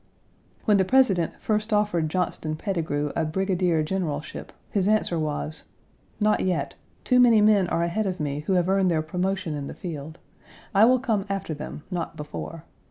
When the President first offered Johnston Pettigrew a brigadier generalship, his answer was: "Not yet. Too many men are ahead of me who have earned their promotion in the field. I will come after them, not before.